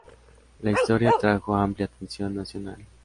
La historia atrajo amplia atención nacional.